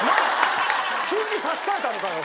急に差し替えたのかよ